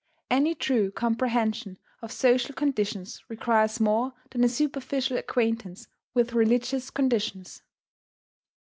Any true comprehension of social conditions requires more than a superficial acquaintance with religious conditions.